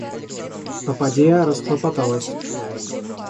Попадья расхлопоталась.